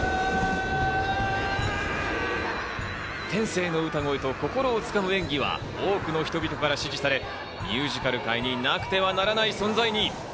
天性の歌声と心を掴む演技は多くの人々から支持され、ミュージカル界になくてはならない存在に。